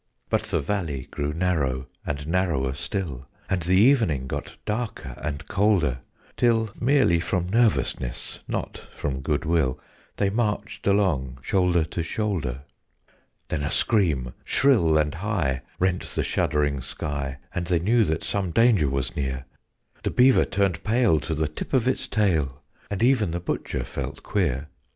But the valley grew narrow and narrower still, And the evening got darker and colder, Till (merely from nervousness, not from good will) They marched along shoulder to shoulder. Then a scream, shrill and high, rent the shuddering sky, And they knew that some danger was near: The Beaver turned pale to the tip of its tail, And even the Butcher felt queer.